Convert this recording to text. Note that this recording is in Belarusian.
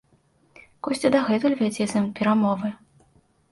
Косця дагэтуль вядзе з ім перамовы.